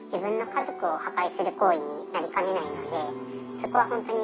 そこはホントに。